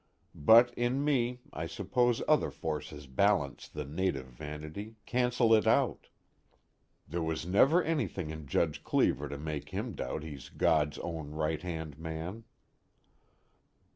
But in me, I suppose other forces balance the native vanity, cancel it out. There was never anything in Judge Cleever to make him doubt he's God's own right hand man.